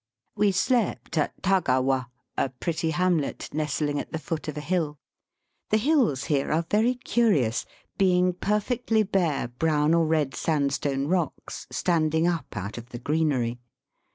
We slept at Tagawa, a pretty hamlet nestling at the foot of a hill. The hills here are very curious, being perfectly bare, brown or red sandstone rocks standing up out of the greenery.